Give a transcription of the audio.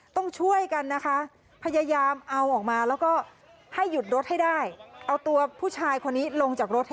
ต้องช่วยกันนะคะพยายามเอาออกมาแล้วก็ให้หยุดรถให้ได้เอาตัวผู้ชายคนนี้ลงจากรถให้